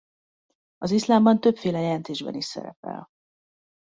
Az iszlámban többféle jelentésben is szerepel.